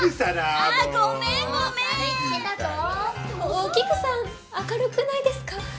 お菊さん明るくないですか？